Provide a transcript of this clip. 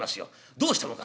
どうしたもんか」。